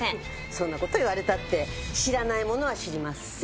そんな事言われたって知らないものは知りません。